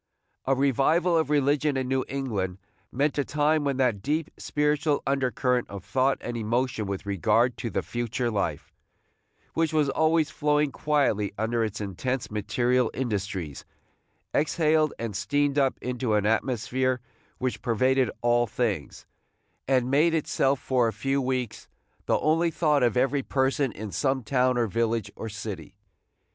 A revival of religion in New England meant a time when that deep spiritual undercurrent of thought and emotion with regard to the future life, which was always flowing quietly under its intense material industries, exhaled and steamed up into an atmosphere which pervaded all things, and made itself for a few weeks the only thought of every person in some town or village or city.